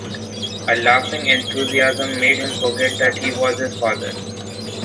A laughing enthusiasm made him forget that he was his father.